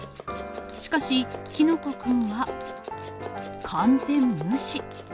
しかし、きのこくんは、完全無視。